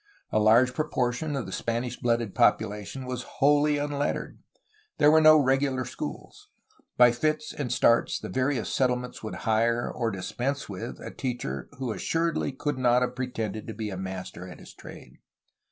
A large proportion of the Spanish blooded population was wholly unlettered. There were no regular schools. By fits and starts the various settlements would hire, or dispense with, a teacher, who assuredly could not have pretended to be a master at his trade.